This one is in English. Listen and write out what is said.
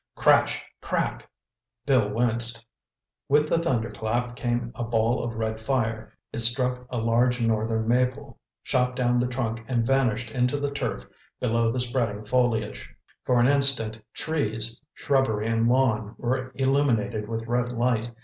Crash! Crack! Bill winced. With the thunderclap came a ball of red fire. It struck a large northern maple, shot down the trunk and vanished into the turf below the spreading foliage. For an instant trees, shrubbery and lawn were illuminated with red light.